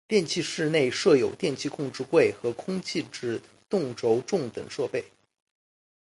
电气室内设有电气控制柜和空气制动轴重等设备。